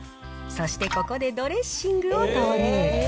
そしてここでドレッシングを投入。